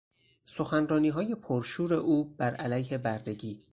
سخنرانیهای پرشور او بر علیه بردگی